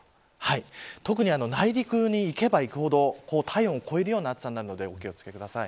特に内陸に行けば行くほど体温を超えるような暑さになるのでお気を付けください。